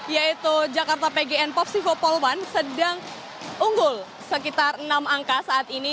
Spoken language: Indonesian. yaitu jakarta pgn popsivo poll one sedang unggul sekitar enam angka saat ini